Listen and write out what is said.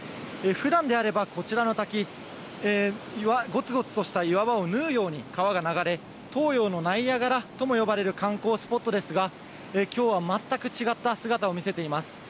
普段であればこちらの滝ごつごつとした岩場を縫うように川が流れ東洋のナイアガラとも呼ばれる観光スポットですが今日は全く違った姿を見せています。